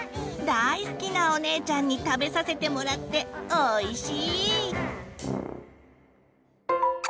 大好きなお姉ちゃんに食べさせてもらっておいしい！